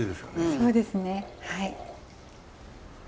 そうですねはい。